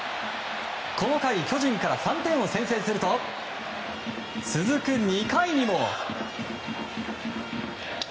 この回、巨人から３点を先制すると、続く２回にも。